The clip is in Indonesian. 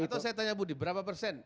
atau saya tanya budi berapa persen